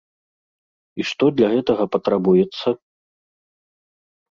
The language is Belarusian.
І што для гэтага патрабуецца?